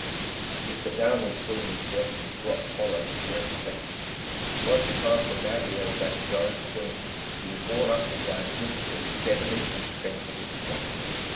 If the downward sweep was breathless, what followed was breath taking: once past the nadir of that giant swing, he was borne upward by an impetus steadily and sensibly slackening.